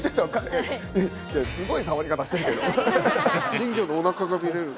金魚のおなかが見れる。